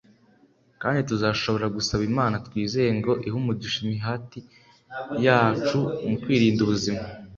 kandi tuzashobora gusaba imana twizeye ngo ihe umugisha imihati yacu mu kwirindira ubuzima